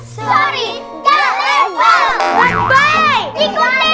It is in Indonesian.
sorry gak lebar